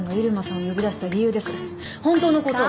本当のことを。